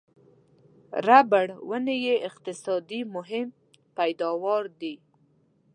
ربړ ونې یې اقتصادي مهم پیداوا دي.